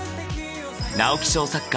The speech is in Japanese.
直木賞作家